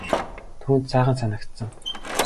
Түүнд сайхан санагдсан.